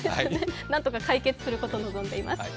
何とか解決することを望んでいます。